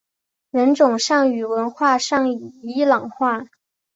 人种上与文化上已伊朗化。